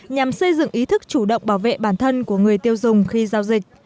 nhằm xây dựng ý thức chủ động bảo vệ bản thân của người tiêu dùng khi giao dịch